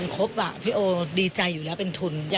ชอบขาวเขียวอย่างเนี่ย